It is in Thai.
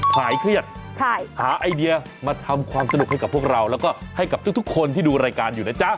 หายเครียดหาไอเดียมาทำความสนุกให้กับพวกเราแล้วก็ให้กับทุกคนที่ดูรายการอยู่นะจ๊ะ